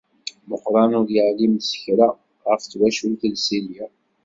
Meqqran ur yeεlim s kra ɣef twacult n Silya.